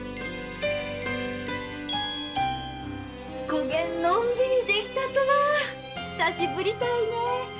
こげんのんびりできたとは久しぶりたいね。